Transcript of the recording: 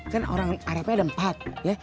kan orang arabnya ada empat